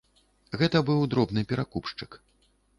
Гэта быў дробны перакупшчык.